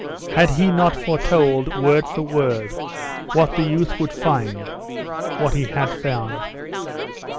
Had he not foretold, word for word, what the youth would find what he had found?